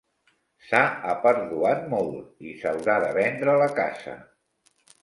S'ha aperduat molt i s'haurà de vendre la casa.